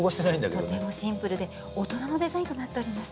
とてもシンプルで大人のデザインとなっております。